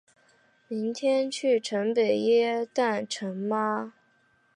明天去新北耶诞城吗？